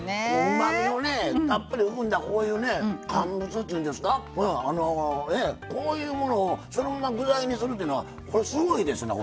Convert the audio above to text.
うまみをねたっぷり含んだこういうね乾物というんですかこういうものをそのまま具材にするというのはこれすごいですね